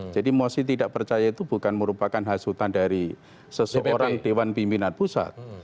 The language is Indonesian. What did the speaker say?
jadi mosi tidak percaya itu bukan merupakan hasutan dari seseorang dewan pimpinan pusat